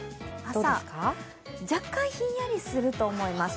朝、若干ひんやりすると思います。